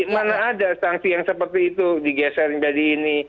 mana ada sangsi yang seperti itu digeser jadi ini